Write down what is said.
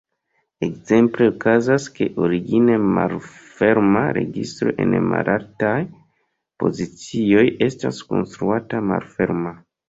Ekzemple okazas, ke origine malferma registro en malaltaj pozicioj estas konstruata malferma.